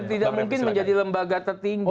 dan tidak mungkin menjadi lembaga tertinggi